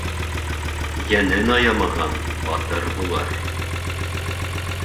Йәнен аямаған батыр булыр.